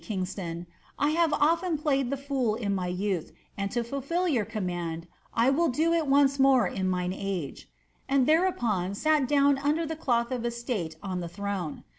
Kingston, < I have often played the fool in ray youth, and to fblfil yc command, I will do it once more in mine afj^e ;^ and therenpon sat oowd under the cloth of estate on the throne.